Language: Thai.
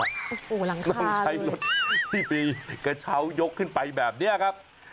ต้องใช้รถที่มีกระเช้ายกขึ้นไปแบบนี้ครับ